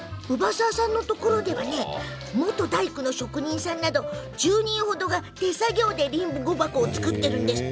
姥澤さんのところでは元大工の職人さんなど１０人ほどが手作業でりんご箱を作っています。